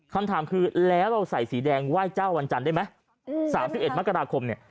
คำถามคือแล้วเราใส่สีแดงไหว้เจ้าวันจันทร์ได้ไหม๓๑มกราคมเนี่ย